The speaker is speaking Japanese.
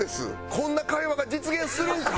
こんな会話が実現するんか？